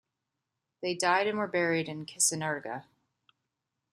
They died and were buried in Kissonerga.